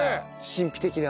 神秘的な。